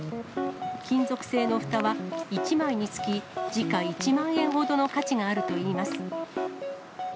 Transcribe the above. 金属製のふたは、１枚につき時価１万円ほどの価値があるといいます。